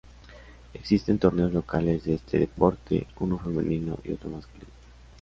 Existen torneos locales de este deporte, uno femenino y otro masculino.